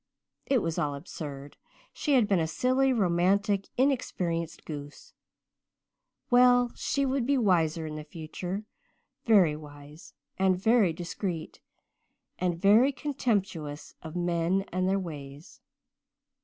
It was all absurd she had been a silly, romantic, inexperienced goose. Well, she would be wiser in the future very wise and very discreet and very contemptuous of men and their ways.